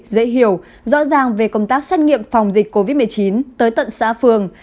dễ hiểu rõ ràng về công tác xét nghiệm phòng dịch covid một mươi chín tới tận xã phường